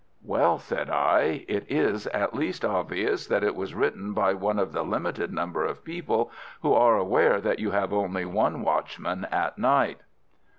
"Well," said I, "it is at least obvious that it was written by one of the limited number of people who are aware that you have only one watchman at night."